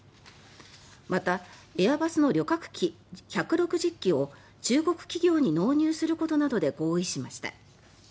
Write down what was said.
またエアバスの旅客機１６０機を中国企業に納入することなどで合意しました。